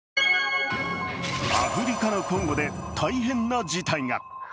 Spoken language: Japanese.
アフリカのコンゴで大変な事態が。